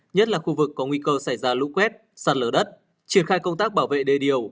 nhất là khu vực có nguy cơ xảy ra lũ quét sạt lở đất triển khai công tác bảo vệ đề điều